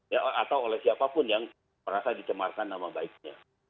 ya atau oleh siapapun yang merasa dicemarkan nama baiknya